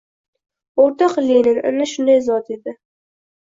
O’rtoq Lenin ana shunday zot edi!